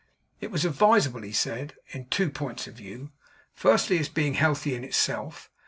It was advisable, he said, in two points of view: First, as being healthy in itself.